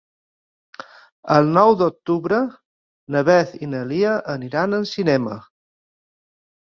El nou d'octubre na Beth i na Lia aniran al cinema.